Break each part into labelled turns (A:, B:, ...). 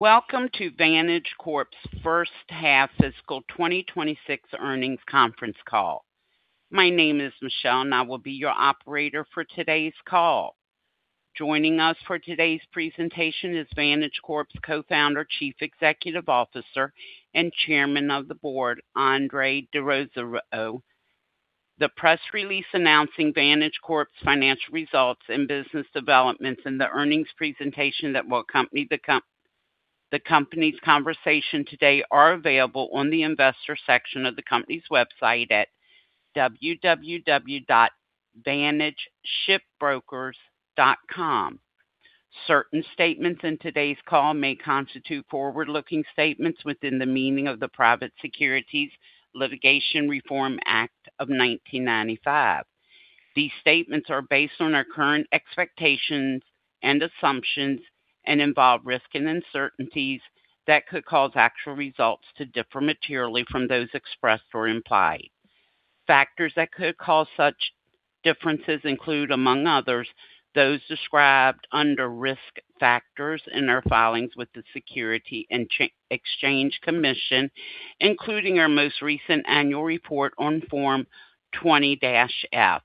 A: Welcome to Vantage Corp's first half fiscal 2026 earnings conference call. My name is Michelle, and I will be your operator for today's call. Joining us for today's presentation is Vantage Corp's co-founder, Chief Executive Officer, and Chairman of the Board, Andre D'Rozario. The press release announcing Vantage Corp's financial results and business developments and the earnings presentation that will accompany the company's conversation today are available on the investor section of the company's website at www.vantageshipbrokers.com. Certain statements in today's call may constitute forward-looking statements within the meaning of the Private Securities Litigation Reform Act of 1995. These statements are based on our current expectations and assumptions and involve risk and uncertainties that could cause actual results to differ materially from those expressed or implied. Factors that could cause such differences include, among others, those described under Risk Factors in our filings with the Securities and Exchange Commission, including our most recent annual report on Form 20-F.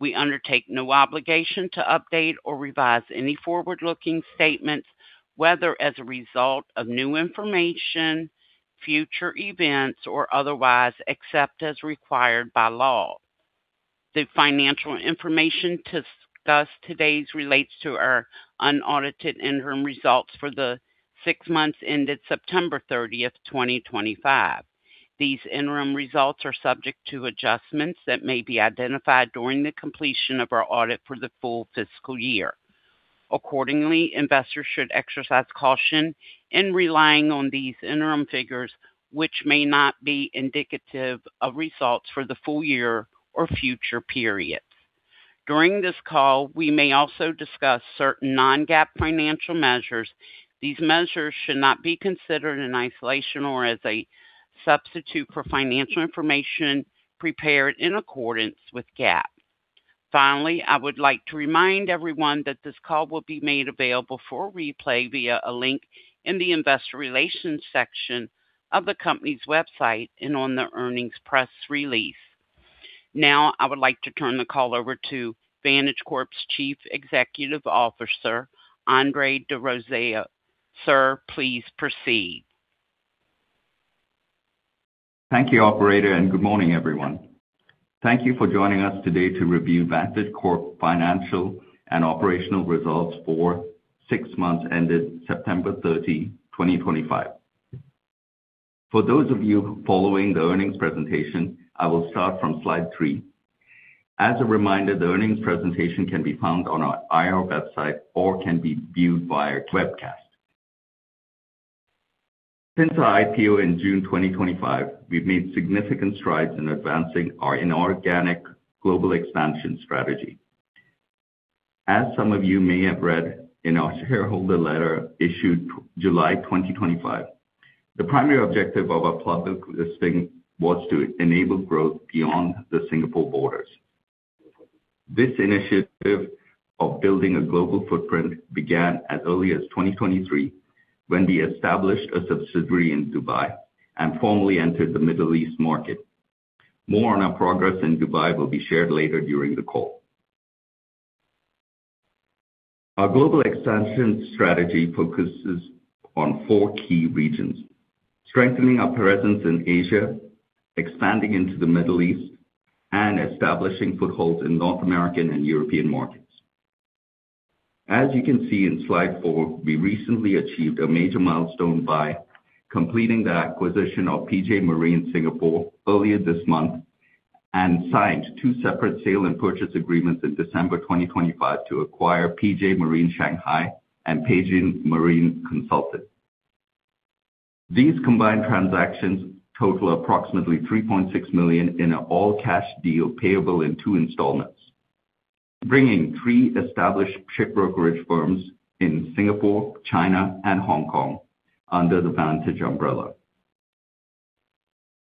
A: We undertake no obligation to update or revise any forward-looking statements, whether as a result of new information, future events, or otherwise, except as required by law. The financial information discussed today relates to our unaudited interim results for the six months ended September 30, 2025. These interim results are subject to adjustments that may be identified during the completion of our audit for the full fiscal year. Accordingly, investors should exercise caution in relying on these interim figures, which may not be indicative of results for the full year or future periods. During this call, we may also discuss certain non-GAAP financial measures. These measures should not be considered in isolation or as a substitute for financial information prepared in accordance with GAAP. Finally, I would like to remind everyone that this call will be made available for replay via a link in the Investor Relations section of the company's website and on the earnings press release. Now, I would like to turn the call over to Vantage Corp's Chief Executive Officer, Andre D'Rozario. Sir, please proceed.
B: Thank you, Operator, and good morning, everyone. Thank you for joining us today to review Vantage Corp's financial and operational results for six months ended September 30, 2025. For those of you following the earnings presentation, I will start from slide three. As a reminder, the earnings presentation can be found on our IR website or can be viewed via webcast. Since our IPO in June 2025, we've made significant strides in advancing our inorganic global expansion strategy. As some of you may have read in our shareholder letter issued July 2025, the primary objective of our public listing was to enable growth beyond the Singapore borders. This initiative of building a global footprint began as early as 2023 when we established a subsidiary in Dubai and formally entered the Middle East market. More on our progress in Dubai will be shared later during the call. Our global expansion strategy focuses on four key regions: strengthening our presence in Asia, expanding into the Middle East, and establishing footholds in North American and European markets. As you can see in slide four, we recently achieved a major milestone by completing the acquisition of PJ Marine Singapore earlier this month and signed two separate sale and purchase agreements in December 2025 to acquire PJ Marine Shanghai and Peijun Marine Consulting. These combined transactions total approximately $3.6 million in an all-cash deal payable in two installments, bringing three established ship brokerage firms in Singapore, China, and Hong Kong under the Vantage umbrella.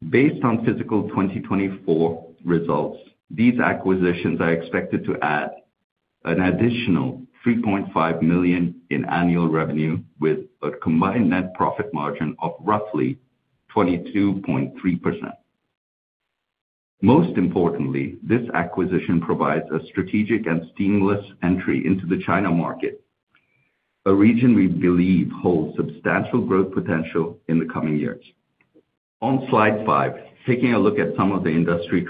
B: Based on fiscal 2024 results, these acquisitions are expected to add an additional $3.5 million in annual revenue with a combined net profit margin of roughly 22.3%. Most importantly, this acquisition provides a strategic and seamless entry into the China market, a region we believe holds substantial growth potential in the coming years. On slide five, taking a look at some of the industry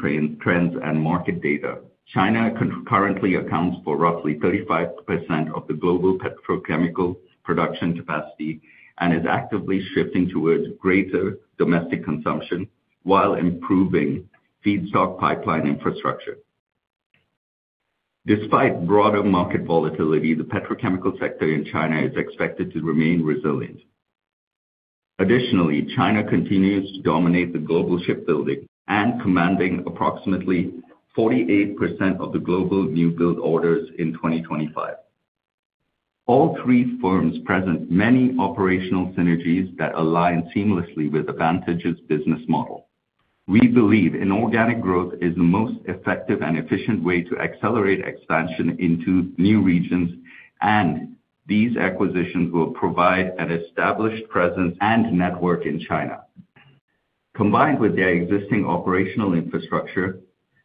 B: trends and market data, China currently accounts for roughly 35% of the global petrochemical production capacity and is actively shifting towards greater domestic consumption while improving feedstock pipeline infrastructure. Despite broader market volatility, the petrochemical sector in China is expected to remain resilient. Additionally, China continues to dominate the global shipbuilding, commanding approximately 48% of the global newbuild orders in 2025. All three firms present many operational synergies that align seamlessly with Vantage's business model. We believe inorganic growth is the most effective and efficient way to accelerate expansion into new regions, and these acquisitions will provide an established presence and network in China. Combined with their existing operational infrastructure,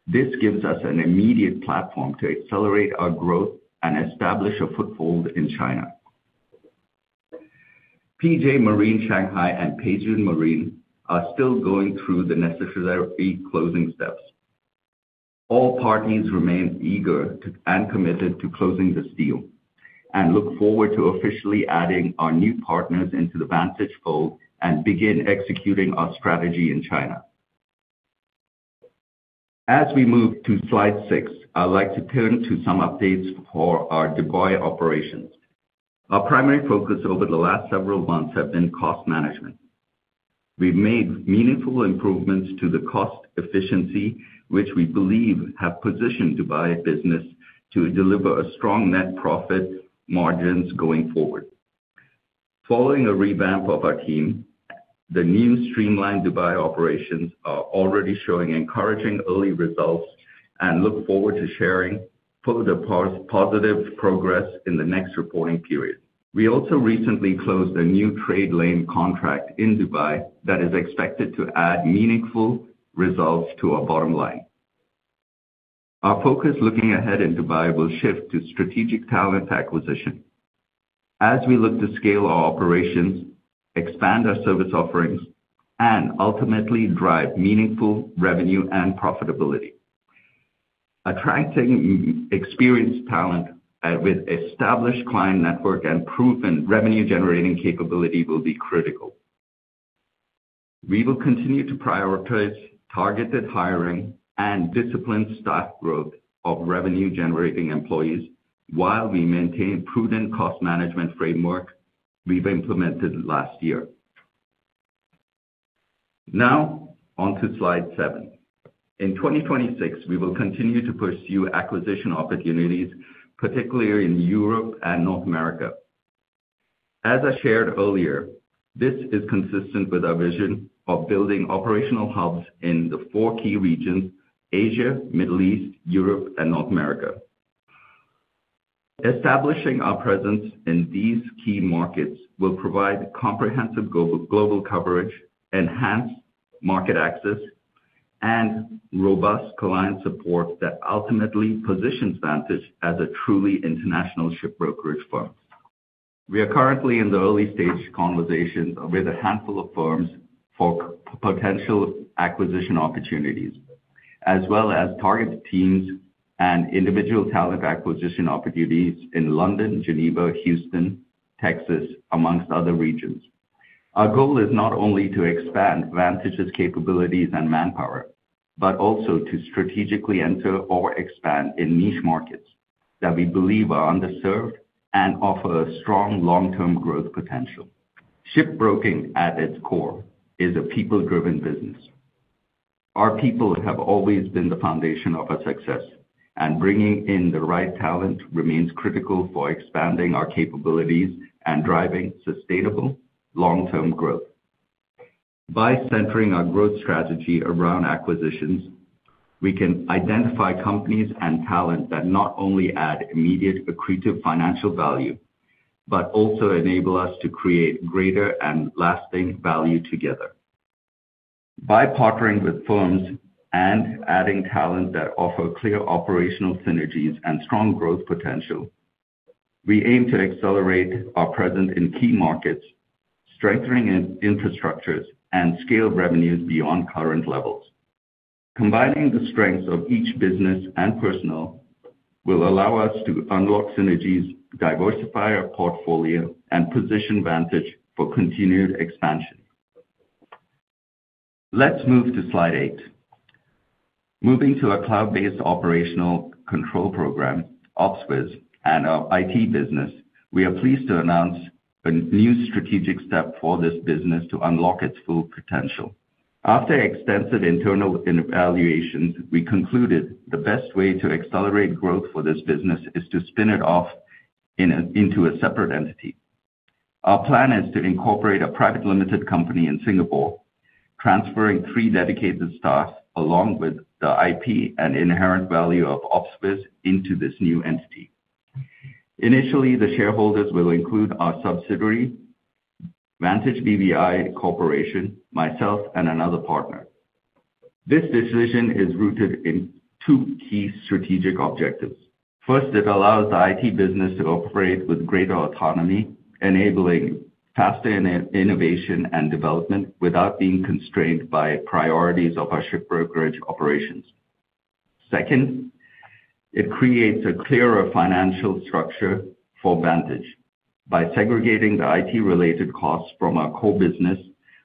B: this gives us an immediate platform to accelerate our growth and establish a foothold in China. PJ Marine Shanghai and Peijun Marine are still going through the necessary closing steps. All parties remain eager and committed to closing this deal and look forward to officially adding our new partners into the Vantage fold and begin executing our strategy in China. As we move to slide six, I'd like to turn to some updates for our Dubai operations. Our primary focus over the last several months has been cost management. We've made meaningful improvements to the cost efficiency, which we believe have positioned Dubai business to deliver a strong net profit margin going forward. Following a revamp of our team, the new streamlined Dubai operations are already showing encouraging early results and look forward to sharing further positive progress in the next reporting period. We also recently closed a new trade lane contract in Dubai that is expected to add meaningful results to our bottom line. Our focus looking ahead in Dubai will shift to strategic talent acquisition as we look to scale our operations, expand our service offerings, and ultimately drive meaningful revenue and profitability. Attracting experienced talent with established client network and proven revenue-generating capability will be critical. We will continue to prioritize targeted hiring and disciplined staff growth of revenue-generating employees while we maintain a prudent cost management framework we've implemented last year. Now, onto slide seven. In 2026, we will continue to pursue acquisition opportunities, particularly in Europe and North America. As I shared earlier, this is consistent with our vision of building operational hubs in the four key regions: Asia, Middle East, Europe, and North America. Establishing our presence in these key markets will provide comprehensive global coverage, enhanced market access, and robust client support that ultimately positions Vantage as a truly international ship brokerage firm. We are currently in the early stage conversations with a handful of firms for potential acquisition opportunities, as well as targeted teams and individual talent acquisition opportunities in London, Geneva, Houston, Texas, among other regions. Our goal is not only to expand Vantage's capabilities and manpower, but also to strategically enter or expand in niche markets that we believe are underserved and offer a strong long-term growth potential. Shipbroking, at its core, is a people-driven business. Our people have always been the foundation of our success, and bringing in the right talent remains critical for expanding our capabilities and driving sustainable long-term growth. By centering our growth strategy around acquisitions, we can identify companies and talent that not only add immediate accretive financial value, but also enable us to create greater and lasting value together. By partnering with firms and adding talent that offer clear operational synergies and strong growth potential, we aim to accelerate our presence in key markets, strengthening infrastructures, and scale revenues beyond current levels. Combining the strengths of each business and personnel will allow us to unlock synergies, diversify our portfolio, and position Vantage for continued expansion. Let's move to slide eight. Moving to our cloud-based operational control program, Opswiz, and our IT business, we are pleased to announce a new strategic step for this business to unlock its full potential. After extensive internal evaluations, we concluded the best way to accelerate growth for this business is to spin it off into a separate entity. Our plan is to incorporate a private limited company in Singapore, transferring three dedicated staff along with the IP and inherent value of OpsWiz into this new entity. Initially, the shareholders will include our subsidiary, Vantage BVI Corporation, myself, and another partner. This decision is rooted in two key strategic objectives. First, it allows the IT business to operate with greater autonomy, enabling faster innovation and development without being constrained by priorities of our ship brokerage operations. Second, it creates a clearer financial structure for Vantage by segregating the IT-related costs from our core business,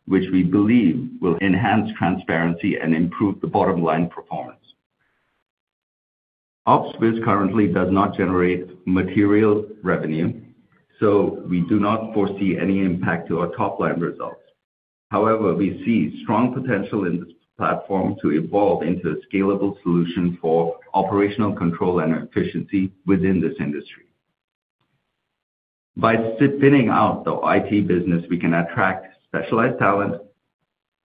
B: which we believe will enhance transparency and improve the bottom line performance. Opswiz currently does not generate material revenue, so we do not foresee any impact to our top line results. However, we see strong potential in this platform to evolve into a scalable solution for operational control and efficiency within this industry. By spinning out the IT business, we can attract specialized talent,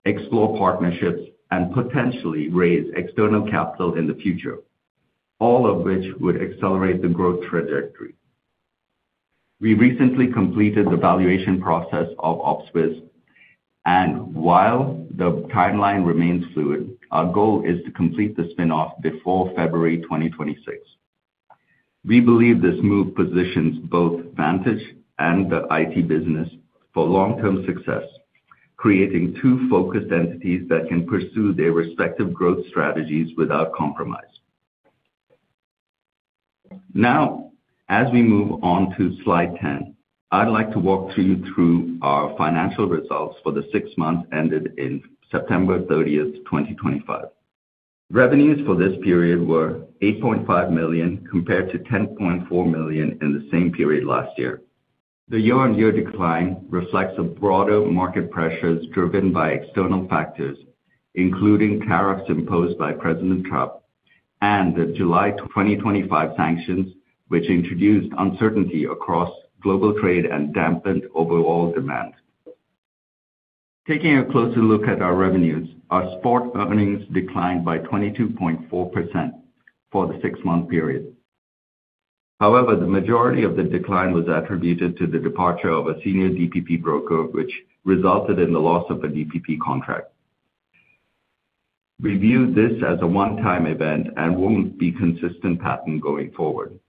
B: explore partnerships, and potentially raise external capital in the future, all of which would accelerate the growth trajectory. We recently completed the valuation process of Opswiz, and while the timeline remains fluid, our goal is to complete the spinoff before February 2026. We believe this move positions both Vantage and the IT business for long-term success, creating two focused entities that can pursue their respective growth strategies without compromise. Now, as we move on to slide 10, I'd like to walk you through our financial results for the six months ended September 30, 2025. Revenues for this period were $8.5 million compared to $10.4 million in the same period last year. The year-on-year decline reflects a broader market pressure driven by external factors, including tariffs imposed by President Trump and the July 2025 sanctions, which introduced uncertainty across global trade and dampened overall demand. Taking a closer look at our revenues, our spot earnings declined by 22.4% for the six-month period. However, the majority of the decline was attributed to the departure of a senior DPP broker, which resulted in the loss of a DPP contract. We view this as a one-time event and won't be a consistent pattern going forward.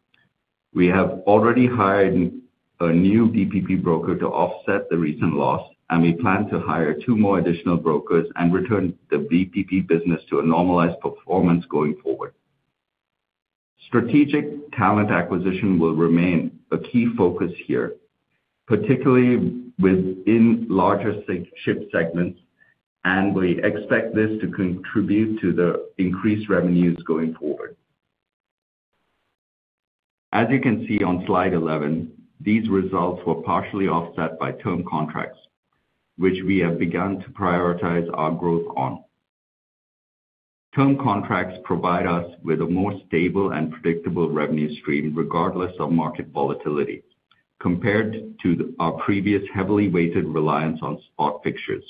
B: We have already hired a new DPP broker to offset the recent loss, and we plan to hire two more additional brokers and return the DPP business to a normalized performance going forward. Strategic talent acquisition will remain a key focus here, particularly within larger ship segments, and we expect this to contribute to the increased revenues going forward. As you can see on slide 11, these results were partially offset by term contracts, which we have begun to prioritize our growth on. Term contracts provide us with a more stable and predictable revenue stream regardless of market volatility, compared to our previous heavily weighted reliance on spot fixtures,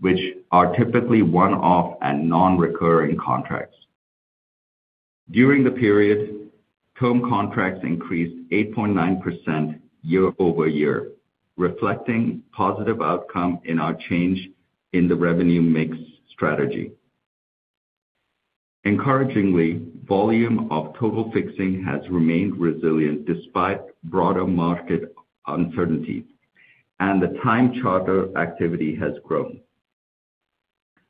B: which are typically one-off and non-recurring contracts. During the period, term contracts increased 8.9% year-over-year, reflecting a positive outcome in our change in the revenue mix strategy. Encouragingly, the volume of total fixing has remained resilient despite broader market uncertainty, and the time charter activity has grown.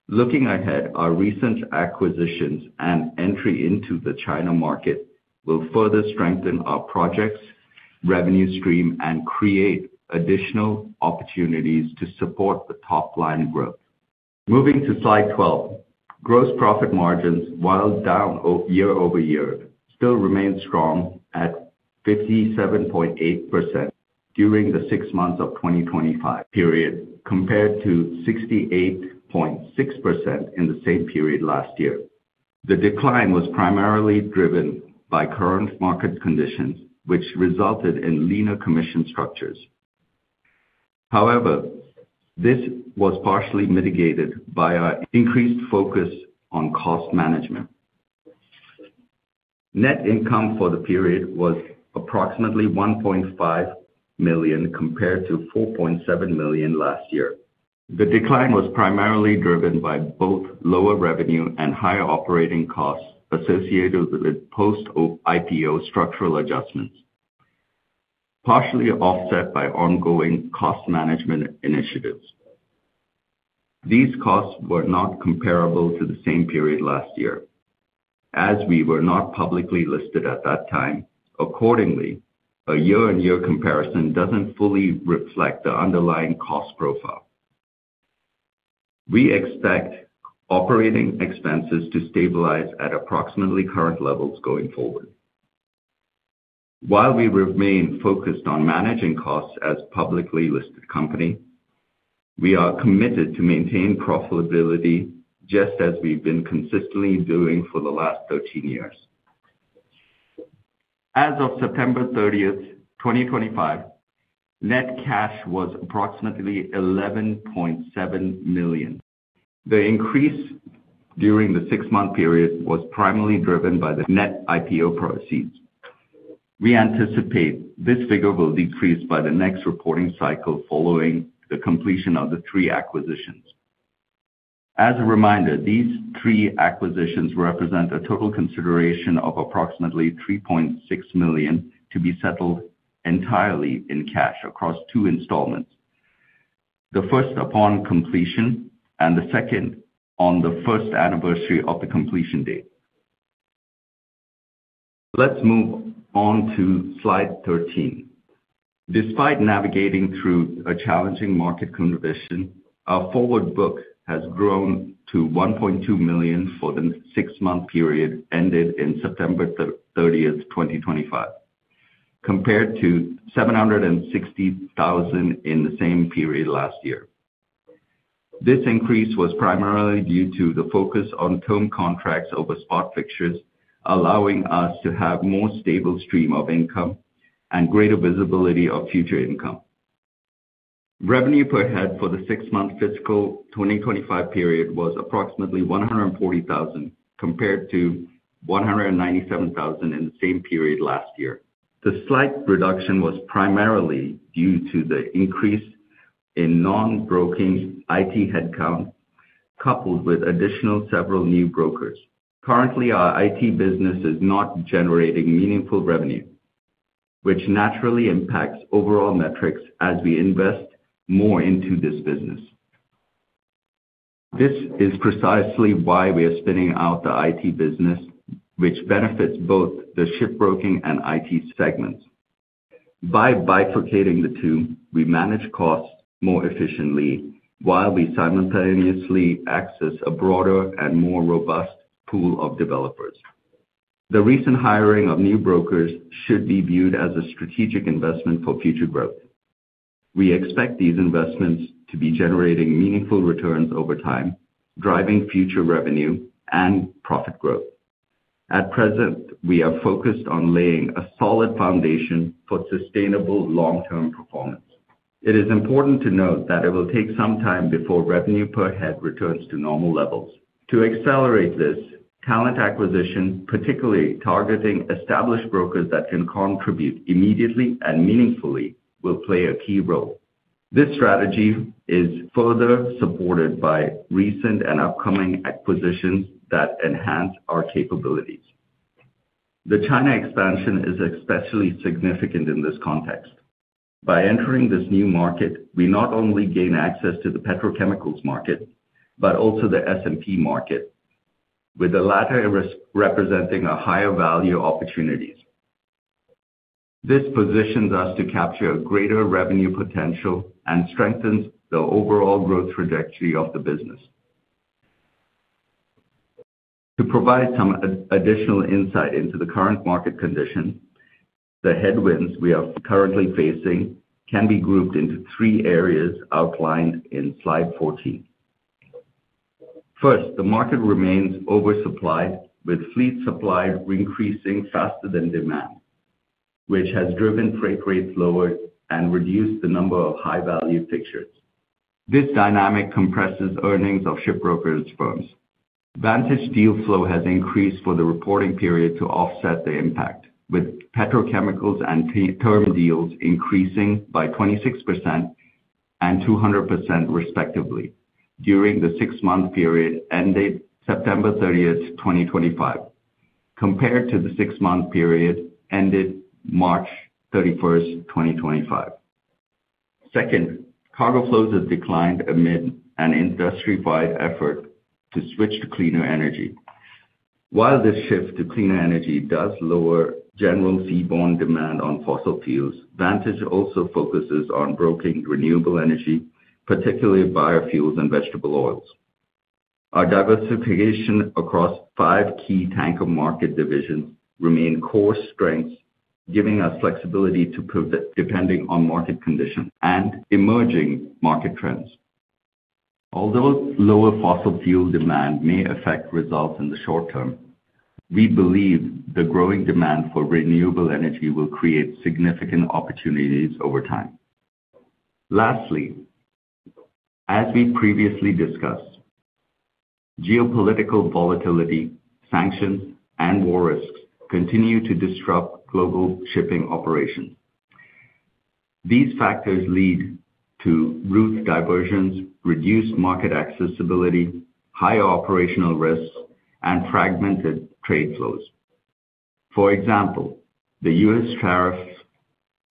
B: Looking ahead, our recent acquisitions and entry into the China market will further strengthen our projected revenue stream and create additional opportunities to support the top line growth. Moving to slide 12, gross profit margins, while down year-over-year, still remain strong at 57.8% during the six months of the 2025 period, compared to 68.6% in the same period last year. The decline was primarily driven by current market conditions, which resulted in leaner commission structures. However, this was partially mitigated by our increased focus on cost management. Net income for the period was approximately $1.5 million compared to $4.7 million last year. The decline was primarily driven by both lower revenue and higher operating costs associated with post-IPO structural adjustments, partially offset by ongoing cost management initiatives. These costs were not comparable to the same period last year, as we were not publicly listed at that time. Accordingly, a year-on-year comparison doesn't fully reflect the underlying cost profile. We expect operating expenses to stabilize at approximately current levels going forward. While we remain focused on managing costs as a publicly listed company, we are committed to maintain profitability just as we've been consistently doing for the last 13 years. As of September 30, 2025, net cash was approximately $11.7 million. The increase during the six-month period was primarily driven by the net IPO proceeds. We anticipate this figure will decrease by the next reporting cycle following the completion of the three acquisitions. As a reminder, these three acquisitions represent a total consideration of approximately $3.6 million to be settled entirely in cash across two installments: the first upon completion and the second on the first anniversary of the completion date. Let's move on to slide 13. Despite navigating through a challenging market condition, our forward book has grown to $1.2 million for the six-month period ended September 30, 2025, compared to $760,000 in the same period last year. This increase was primarily due to the focus on term contracts over spot fixtures, allowing us to have a more stable stream of income and greater visibility of future income. Revenue per head for the six-month fiscal 2025 period was approximately $140,000, compared to $197,000 in the same period last year. The slight reduction was primarily due to the increase in non-broking IT headcount, coupled with the addition of several new brokers. Currently, our IT business is not generating meaningful revenue, which naturally impacts overall metrics as we invest more into this business. This is precisely why we are spinning out the IT business, which benefits both the shipbroking and IT segments. By bifurcating the two, we manage costs more efficiently while we simultaneously access a broader and more robust pool of developers. The recent hiring of new brokers should be viewed as a strategic investment for future growth. We expect these investments to be generating meaningful returns over time, driving future revenue and profit growth. At present, we are focused on laying a solid foundation for sustainable long-term performance. It is important to note that it will take some time before revenue per head returns to normal levels. To accelerate this, talent acquisition, particularly targeting established brokers that can contribute immediately and meaningfully, will play a key role. This strategy is further supported by recent and upcoming acquisitions that enhance our capabilities. The China expansion is especially significant in this context. By entering this new market, we not only gain access to the petrochemicals market but also the S&P market, with the latter representing higher value opportunities. This positions us to capture greater revenue potential and strengthens the overall growth trajectory of the business. To provide some additional insight into the current market condition, the headwinds we are currently facing can be grouped into three areas outlined in slide 14. First, the market remains oversupplied, with fleet supply increasing faster than demand, which has driven freight rates lower and reduced the number of high-value fixtures. This dynamic compresses earnings of shipbrokers firms. Vantage deal flow has increased for the reporting period to offset the impact, with petrochemicals and term deals increasing by 26% and 200%, respectively, during the six-month period ended September 30, 2025, compared to the six-month period ended March 31, 2025. Second, cargo flows have declined amid an intensified effort to switch to cleaner energy. While this shift to cleaner energy does lower general seaborne demand on fossil fuels, Vantage also focuses on broking renewable energy, particularly biofuels and vegetable oils. Our diversification across five key tanker market divisions remains core strengths, giving us flexibility to depend on market conditions and emerging market trends. Although lower fossil fuel demand may affect results in the short term, we believe the growing demand for renewable energy will create significant opportunities over time. Lastly, as we previously discussed, geopolitical volatility, sanctions, and war risks continue to disrupt global shipping operations. These factors lead to route diversions, reduced market accessibility, higher operational risks, and fragmented trade flows. For example, the U.S. tariffs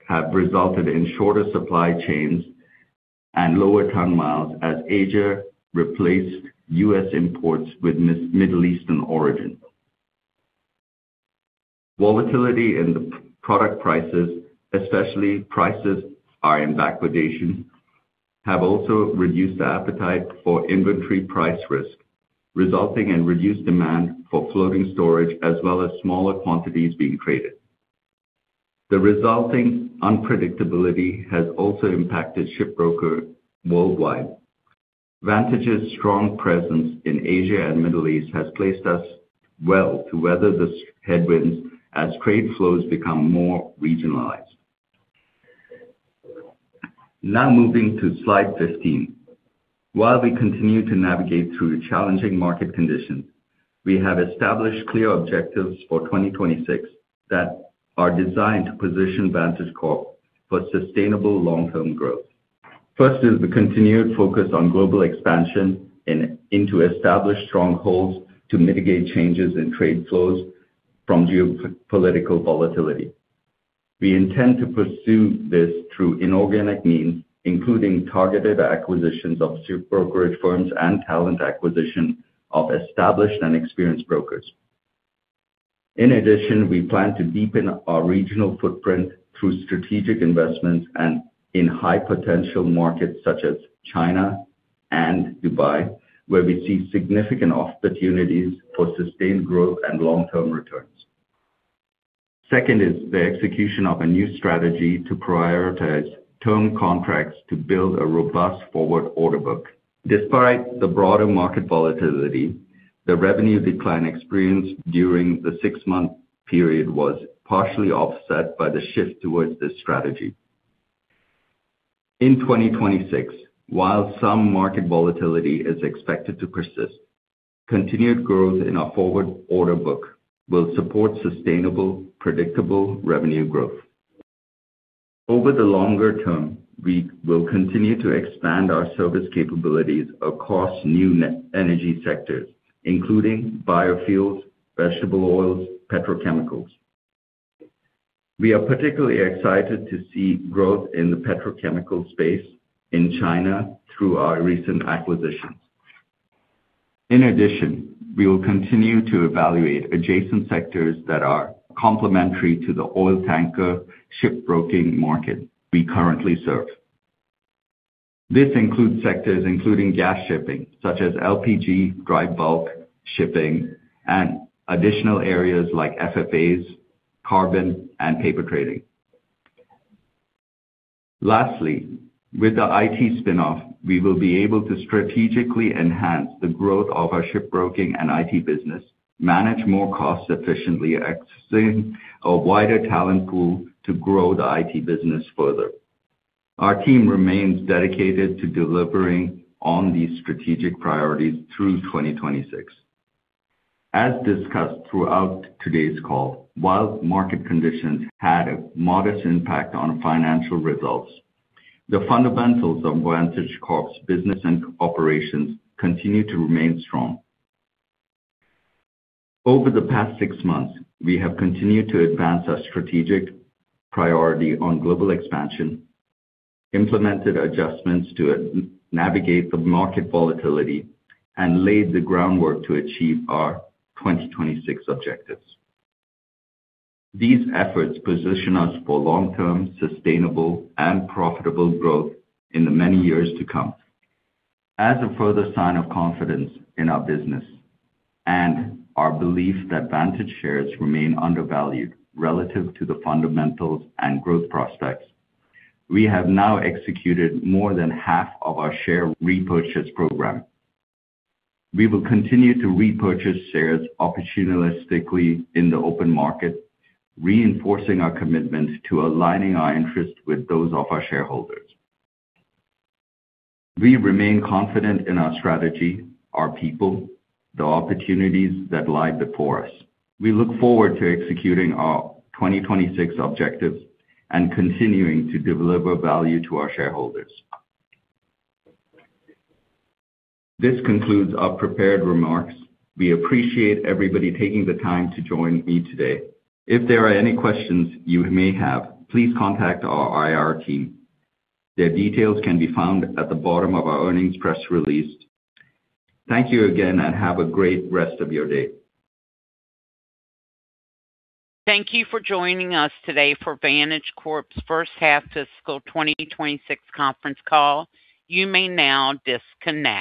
B: have resulted in shorter supply chains and lower ton-miles as Asia replaced U.S. imports with Middle Eastern origin. Volatility in the product prices, especially prices are in backwardation, has also reduced the appetite for inventory price risk, resulting in reduced demand for floating storage as well as smaller quantities being traded. The resulting unpredictability has also impacted shipbrokers worldwide. Vantage's strong presence in Asia and the Middle East has placed us well to weather the headwinds as trade flows become more regionalized. Now moving to slide 15. While we continue to navigate through challenging market conditions, we have established clear objectives for 2026 that are designed to position Vantage Corp for sustainable long-term growth. First is the continued focus on global expansion into established strongholds to mitigate changes in trade flows from geopolitical volatility. We intend to pursue this through inorganic means, including targeted acquisitions of ship brokerage firms and talent acquisitions of established and experienced brokers. In addition, we plan to deepen our regional footprint through strategic investments in high-potential markets such as China and Dubai, where we see significant opportunities for sustained growth and long-term returns. Second is the execution of a new strategy to prioritize term contracts to build a robust forward order book. Despite the broader market volatility, the revenue decline experienced during the six-month period was partially offset by the shift towards this strategy. In 2026, while some market volatility is expected to persist, continued growth in our forward order book will support sustainable, predictable revenue growth. Over the longer term, we will continue to expand our service capabilities across new energy sectors, including biofuels, vegetable oils, and petrochemicals. We are particularly excited to see growth in the petrochemical space in China through our recent acquisitions. In addition, we will continue to evaluate adjacent sectors that are complementary to the oil tanker shipbroking market we currently serve. This includes sectors including gas shipping, such as LPG, dry bulk shipping, and additional areas like FFAs, carbon, and paper trading. Lastly, with the IT spinoff, we will be able to strategically enhance the growth of our shipbroking and IT business, manage more costs efficiently, and access a wider talent pool to grow the IT business further. Our team remains dedicated to delivering on these strategic priorities through 2026. As discussed throughout today's call, while market conditions had a modest impact on financial results, the fundamentals of Vantage Corp's business and operations continue to remain strong. Over the past six months, we have continued to advance our strategic priority on global expansion, implemented adjustments to navigate the market volatility, and laid the groundwork to achieve our 2026 objectives. These efforts position us for long-term, sustainable, and profitable growth in the many years to come. As a further sign of confidence in our business and our belief that Vantage shares remain undervalued relative to the fundamentals and growth prospects, we have now executed more than half of our share repurchase program. We will continue to repurchase shares opportunistically in the open market, reinforcing our commitment to aligning our interests with those of our shareholders. We remain confident in our strategy, our people, and the opportunities that lie before us. We look forward to executing our 2026 objectives and continuing to deliver value to our shareholders. This concludes our prepared remarks. We appreciate everybody taking the time to join me today. If there are any questions you may have, please contact our IR team. Their details can be found at the bottom of our earnings press release. Thank you again, and have a great rest of your day.
A: Thank you for joining us today for Vantage Corp's first half fiscal 2026 conference call. You may now disconnect.